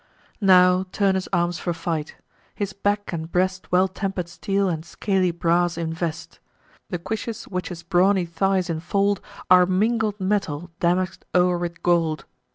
Now Turnus arms for fight. His back and breast Well temper'd steel and scaly brass invest: The cuishes which his brawny thighs infold Are mingled metal damask'd o'er with gold.